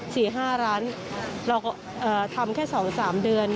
๔๕ล้านเราทำแค่๒๓เดือน